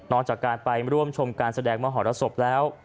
น้อยจากการไปร่วมชมการแสดงเมาะหอดรสบแล้ว